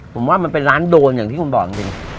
ผมว่ามันเป็นร้านโดนอย่างที่คุณบอกจริง